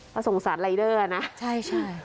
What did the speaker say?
ต้องสงสัยลายเดอร์นะใช่